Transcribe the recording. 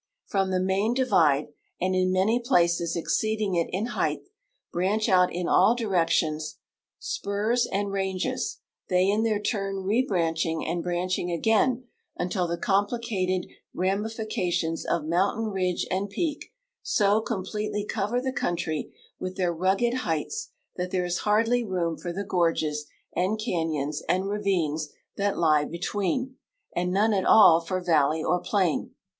From the main divide, and in many places exceeding it in height, branch out in all directions spurs and ranges, they in their turn rel)ranching and branching again, until the complicated rami fications of mountain ridge and ])eak so completely cover the countiy with their rugged heights that there is hardly room for the gorges and can}mns and ravines that lie between, and none at all for valley or plain.